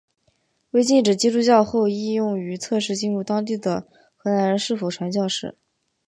在禁止基督教后亦用于测试进入当地的荷兰人是否传教士。